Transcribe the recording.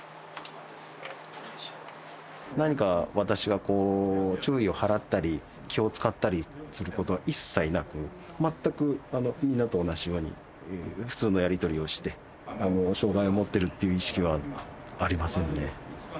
何か、私が注意を払ったり、気を遣ったりすることは一切なく、全くみんなと同じように普通のやり取りをして、障害を持ってるっていう意識はありませんね。